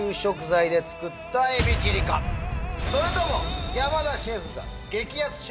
それとも。